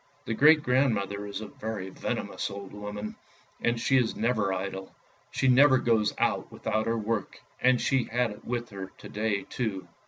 The great grandmother is a very venomous old woman, and she is never idle. She never goes out without her work, and she had it with her to day too.